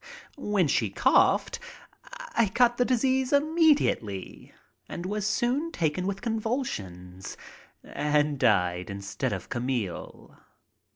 When she coughed, I got the disease immediately, and was soon taken with convulsions and died instead of Camille.